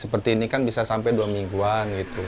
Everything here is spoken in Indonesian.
seperti ini kan bisa sampai dua mingguan gitu